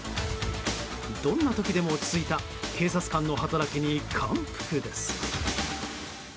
どんな時でも落ち着いた警察官の働きに感服です。